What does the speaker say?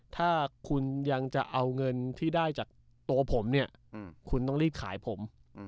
ถ้าคุณยังจะเอาเงินที่ได้จากตัวผมเนี่ยคุณต้องรีบขายผม